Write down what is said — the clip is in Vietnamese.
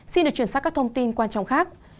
xin được truyền sát các thông tin quan trọng khác